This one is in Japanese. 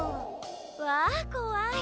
わこわい。